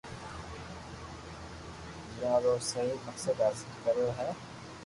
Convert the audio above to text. جيون رو سھي مقصد حاصل ڪري ھين